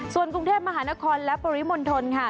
ส่วนกรุงเทพมหานครและปริมณฑลค่ะ